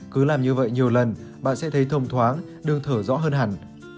cứ làm như vậy nhiều lần bạn sẽ thấy thông thoáng đường thở rõ hơn hẳn